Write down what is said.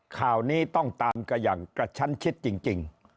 ข่าวนี้ต้องตามกันอย่างกระชั้นชิดจริง